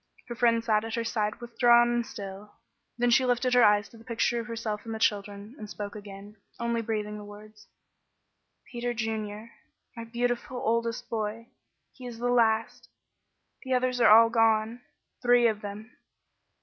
Her friend sat at her side withdrawn and still; then she lifted her eyes to the picture of herself and the children and spoke again, only breathing the words: "Peter Junior my beautiful oldest boy he is the last the others are all gone three of them."